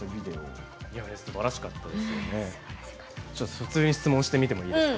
普通に質問してみてもいいですか。